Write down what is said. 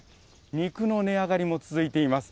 肉の値上がりも続いています。